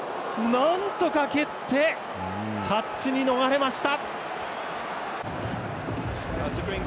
なんとか蹴ってタッチに逃れました。